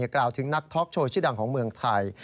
กล่าวถึงนักท็อกโชว์ชื่อดังของเมืองไทย